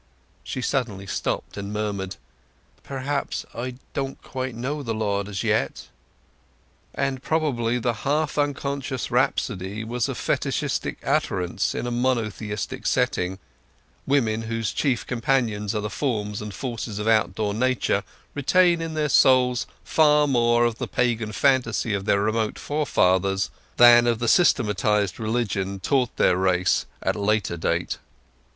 She suddenly stopped and murmured: "But perhaps I don't quite know the Lord as yet." And probably the half unconscious rhapsody was a Fetishistic utterance in a Monotheistic setting; women whose chief companions are the forms and forces of outdoor Nature retain in their souls far more of the Pagan fantasy of their remote forefathers than of the systematized religion taught their race at later date.